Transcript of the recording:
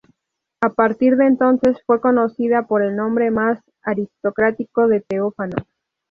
A partir de entonces fue conocida por el nombre, más aristocrático, de Teófano.